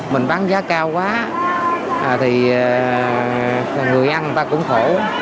mình bán giá cao quá thì người ăn người ta cũng khổ